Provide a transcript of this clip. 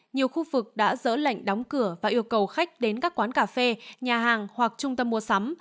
nhiều khu vực đã dỡ lệnh đóng cửa và yêu cầu khách đến các quán cà phê nhà hàng hoặc trung tâm mua sắm